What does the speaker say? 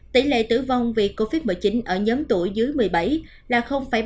tỷ lệ tử vong vì covid một mươi chín ở nhóm tuổi dưới một mươi bảy là ba mươi